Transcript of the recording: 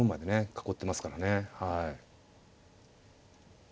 囲ってますからね。